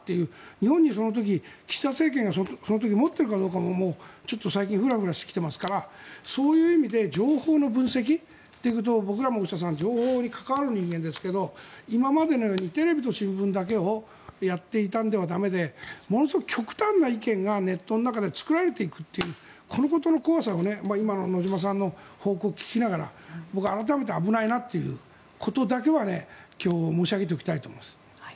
日本にその時岸田政権がその時持っているかどうかも最近ふらふらしてきていますからそういう意味で情報の分析ということでいくと僕らも情報に関わる人間ですが今までのようにテレビと新聞だけをやっていたのでは駄目でものすごく極端な意見がネットの中で作られていくということの怖さを野嶋さんの報告を聞きながら改めて危ないというところだけは今日、申し上げておきたいと思います。